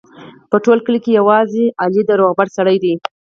په ټول کلي کې یوازې علي د روغبړ سړی دی.